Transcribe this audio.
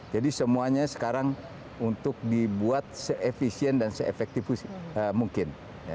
jadi semuanya sekarang untuk dibuat se efficient dan se effective mungkin